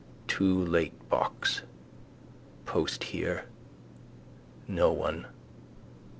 Too late box. Post here. No one.